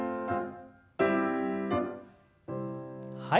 はい。